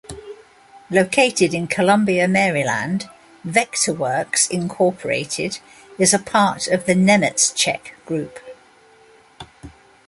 Located in Columbia, Maryland, Vectorworks, Incorporated is a part of The Nemetschek Group.